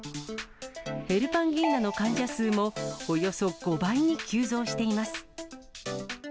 ヘルパンギーナの患者数もおよそ５倍に急増しています。